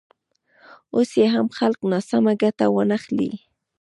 اوس یې هم خلک ناسمه ګټه وانخلي.